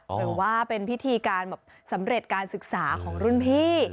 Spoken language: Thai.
หรือว่าเป็นพิธีการแบบสำเร็จการศึกษาของรุ่นพี่